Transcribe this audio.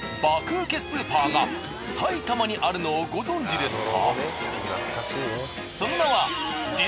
ウケスーパーが埼玉にあるのをご存じですか？